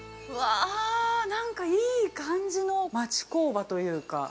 うわあ何かいい感じの町工場というか。